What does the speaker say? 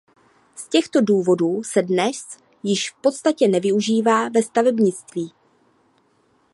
Z těchto důvodů se dnes již v podstatě neužívá ve stavebnictví.